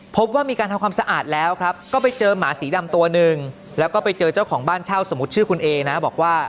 พบว่ามีการทำความสะอาดแล้วครับก็ไปเจอหมาสีดำตัวหนึ่งแล้วก็ไปเจอเจ้าของบ้านเช่าสมมุติชื่อคุณเอนะบอกว่า